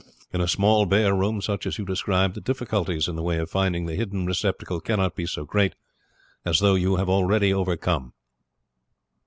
In a small bare room such as you describe the difficulties in the way of finding the hidden receptacle cannot be so great as those you have already overcome.